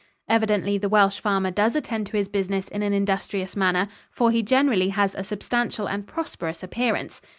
Evidently the Welsh farmer does attend to his business in an industrious manner, for he generally has a substantial and prosperous appearance.